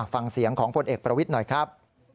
ฟังเสียงของพลเอกประวิทย์หน่อยครับ